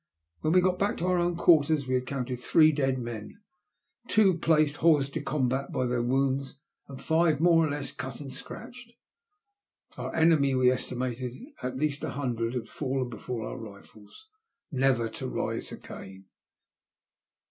When we got back to our own quarters we had counted three dead men, two placed hor$ de comhat by their wounds, and five more or less cut and scratched. Of the enemy we estimated that at least a hundred had fallen before our rifles, never to rise again.